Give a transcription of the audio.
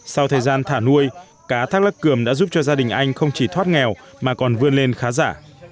sau thời gian thả nuôi cá thác lác cường đã giúp cho gia đình anh không chỉ thoát nghèo mà còn vươn lên khá giả